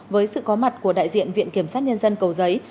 với sự có mặt của đại diện viện kiểm sát nhân dân cầu giấy